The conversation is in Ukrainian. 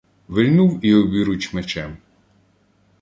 Вильнув і обіруч мечем